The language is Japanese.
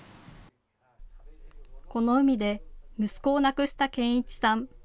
この海で息子を亡くした建一さん。